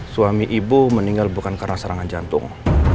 suami ibu meninggal bukan karena serangan jantung